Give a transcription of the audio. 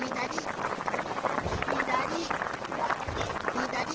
ひだり！